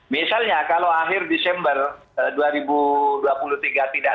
misalnya kalau akhir desember dua ribu dua puluh tiga tidak